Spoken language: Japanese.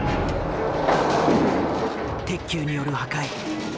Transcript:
鉄球による破壊。